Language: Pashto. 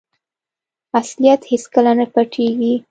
اصلیت هیڅکله نه پټیږي.